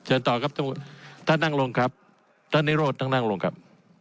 เชิญต่อกับท่านท่านนั่งลงครับท่านนิโรธนั่งนั่งลงครับ